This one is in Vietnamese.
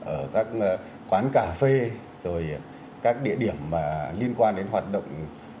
ở các quán cà phê rồi các địa điểm liên quan đến hoạt động